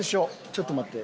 ちょっと待って。